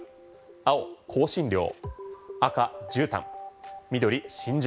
青、香辛料赤、じゅうたん緑、真珠。